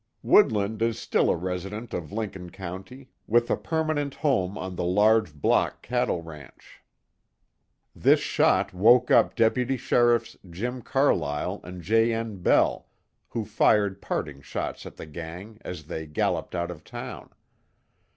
Woodland is still a resident of Lincoln County, with a permanent home on the large Block cattle ranch. This shot woke up Deputy Sheriffs Jim Carlyle and J. N. Bell, who fired parting shots at the gang, as they galloped out of town.